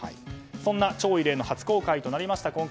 そんな超異例の初公開となりました